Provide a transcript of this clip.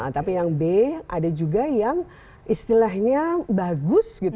tapi yang b ada juga yang istilahnya bagus gitu